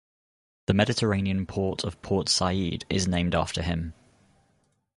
The Mediterranean port of Port Said is named after him.